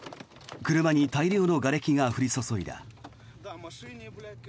車に大量のがれきが降り注いだ。